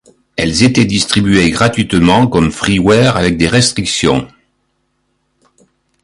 Elles étaient distribuées gratuitement comme freeware avec des restrictions.